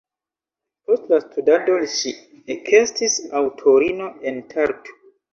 Post la studado ŝi ekestis aŭtorino en Tartu.